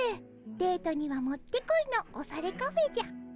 デートにはもってこいのオサレカフェじゃ。